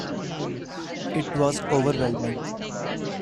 It was overwhelming.